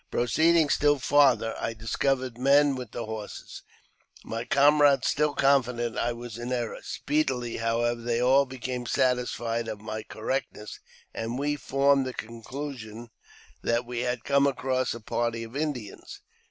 Proceeding still farther, I discovered men with the horses, my comrades still <;onfident I was in error ; speedily, however, they all became satisfied of my correctness, and we formed the conclusion that we had come across a party of Indians.